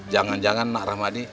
jangan jangan nak rahmadi